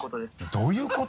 どういうこと？